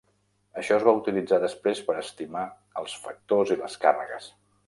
Això es va utilitzar després per estimar els factors i les càrregues.